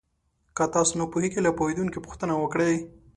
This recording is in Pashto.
که تاسو نه پوهېږئ، له پوهېدونکو پوښتنه وکړئ.